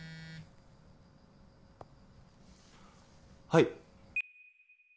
はい。